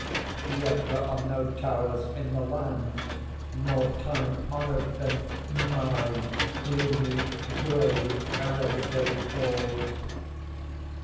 Yet there are no towers in the land more time honored than my gloomy, gray, hereditary halls.